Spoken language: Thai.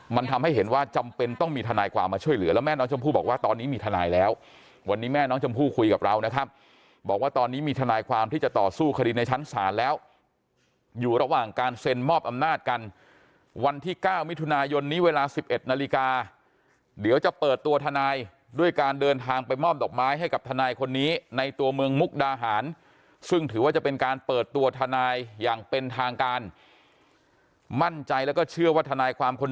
มันทำให้เห็นว่าจำเป็นต้องมีทนายกว่ามาช่วยเหลือแล้วแม่น้องชมพู่บอกว่าตอนนี้มีทนายแล้ววันนี้แม่น้องชมพู่คุยกับเรานะครับบอกว่าตอนนี้มีทนายความที่จะต่อสู้คดีในชั้นสารแล้วอยู่ระหว่างการเซ็นมอบอำนาจกันวันที่๙มิถุนายนนี้เวลา๑๑นาฬิกาเดี๋ยวจะเปิดตัวทนายด้วยการเดินทางไปมอบดอกไม้ให้กั